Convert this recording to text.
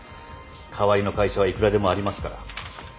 代わりの会社はいくらでもありますから。